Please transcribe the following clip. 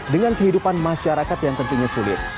dengan kehidupan masyarakat yang tentunya sulit